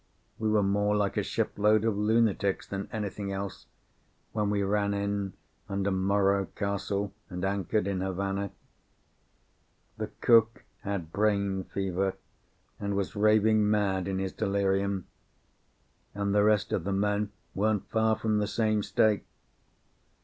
We were more like a shipload of lunatics than anything else when we ran in under Morro Castle and anchored in Havana. The cook had brain fever, and was raving mad in his delirium; and the rest of the men weren't far from the same state.